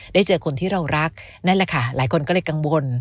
เจอคนที่เรารักนั่นแหละค่ะหลายคนก็เลยกังวล